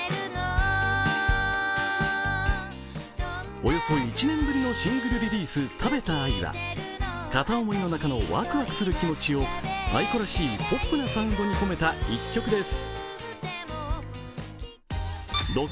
およそ１年ぶりのシングルリリース、「食べた愛」は片思いの中のワクワクする気持ちをａｉｋｏらしいポップなサウンドに込めた一曲です。